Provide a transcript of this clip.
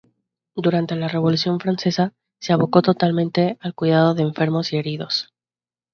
Durante la Revolución francesa, se abocó totalmente al cuidado de enfermos y heridos.